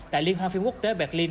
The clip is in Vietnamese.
tại liên hoa phim quốc tế berlin